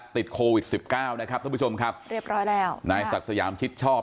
ติดโควิดสิบเก้านะครับท่านผู้ชมครับเรียบร้อยแล้วนายศักดิ์สยามชิดชอบ